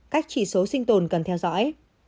cách chỉ số sinh tồn cần theo dõi